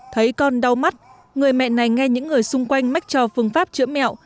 thấy con đau mắt người mẹ này nghe những người xung quanh mách cho phương pháp chữa mẹo